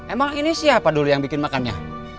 emang ini siapa dulu yang bikin makannya